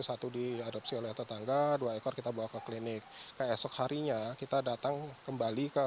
satu diadopsi oleh tetangga dua ekor kita bawa ke klinik keesok harinya kita datang kembali ke